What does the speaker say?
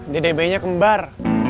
dede bayinya kembar